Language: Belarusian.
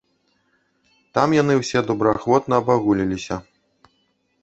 Там яны ўсе добраахвотна абагуліліся.